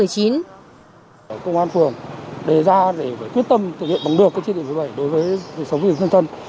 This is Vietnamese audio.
công an phường đề ra để quyết tâm thực hiện bằng được cái chỉ thị số một mươi bảy đối với sáu vị dân dân